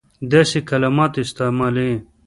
داسي کلمات استعمالوي.